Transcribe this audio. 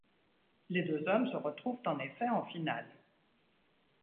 Les deux hommes se retrouvent en effet en finale.